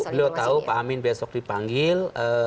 beliau tahu pak amin besok dipanggil